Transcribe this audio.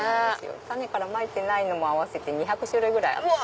種からまいてないのも合わせて２００種類くらいあって。